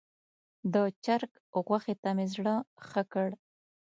د چرګ غوښې ته مې زړه ښه کړ.